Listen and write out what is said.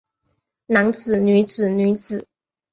男子女子女子